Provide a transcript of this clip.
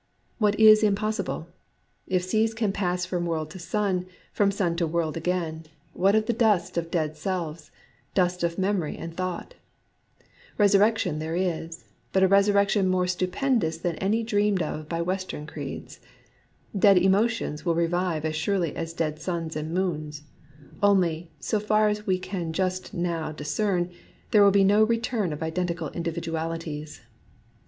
What is impossible ? If seas can pass from world to sun, from sun to world again, what of the dust of dead selves, — dust of memory and thought ? Eesurrection there is, — but a resurrection more stupendous than any dreamed of by Western creeds. Dead emotions will revive as surely as dead suns and moons. Only, so far as we can just now DUST 91 discern, there will be no return of identical individualities.